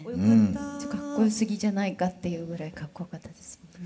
かっこよすぎじゃないかっていうぐらいかっこよかったですよね。